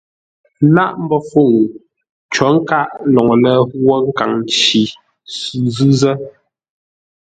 Lâʼ mbəfuŋ cǒ nkâʼ LÔŊLƏ wə́ nkaŋ nci Zʉ́zə́.